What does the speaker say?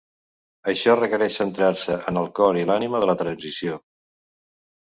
Això requereix centrar-se en el cor i l'ànima de la transició.